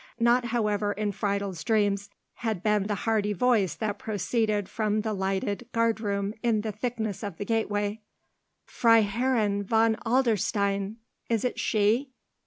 Not however in Friedel's dreams had been the hearty voice that proceeded from the lighted guard room in the thickness of the gateway. "Freiherrinn von Adlerstein! Is it she?